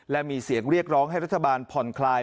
และมีเสียงเรียกร้องให้รัฐบาลผ่อนคลาย